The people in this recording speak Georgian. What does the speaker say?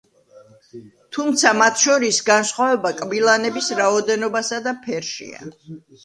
თუმცა მათ შორის განსხვავება კბილანების რაოდენობასა და ფერშია.